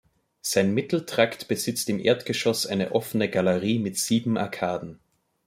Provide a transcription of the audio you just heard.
Sein Mitteltrakt besitzt im Erdgeschoss eine offene Galerie mit sieben Arkaden.